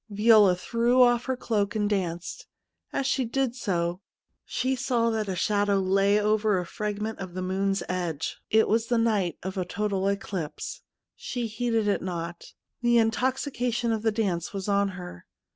Viola threw off her cloak and danced. As she did so, she saw that a shadow lay over a frag ment of the moon's edge. It was the night of a total eclipse. She heeded it not. The intoxication of the dance was on her.